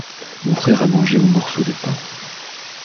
Mon frère a mangé mon morceau de pain.